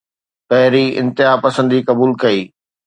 پهرين انتهاپسندي قبول ڪئي.